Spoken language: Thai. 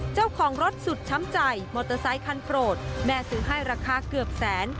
เจ้าของรถสุดช้ำใจมอเตอร์ไซคันโปรดแม่ซื้อให้ราคาเกือบแสน